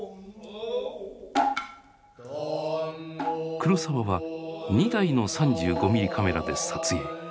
黒澤は２台の３５ミリカメラで撮影。